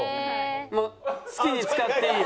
もう好きに使っていい？